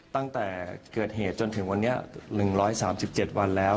ตั้งแต่เกิดเหตุจนถึงวันนี้๑๓๗วันแล้ว